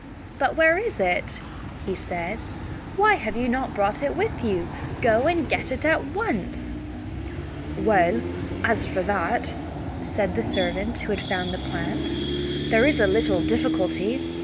"But where is it?" said he. "Why have you not brought it with you? Go and get it at once." "Well, as for that," said the servant who had found the plant, "there is a little difficulty.